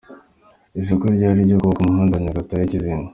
Isoko ryari iryo kubaka umuhanda wa Nyagatare – Kizinga.